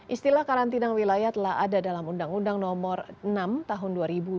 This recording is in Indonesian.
istilah karantina wilayah telah ada dalam undang undang nomor enam tahun dua ribu dua